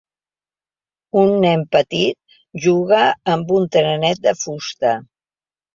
Un nen petit juga amb un trenet de fusta.